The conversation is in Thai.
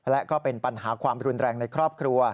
และก็เป็นปัญหาความรุนแรงในครอบครัว